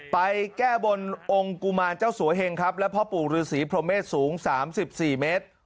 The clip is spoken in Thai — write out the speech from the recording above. ไปแก้บนองค์กุมารเจ้าสัวเหงครับและพ่อปู่ฤษีพรหมเมษสูง๓๔เมตร